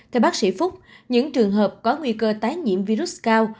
theo bác sĩ phúc những trường hợp có nguy cơ tái nhiễm virus cao